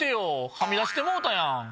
はみ出してもうたやん！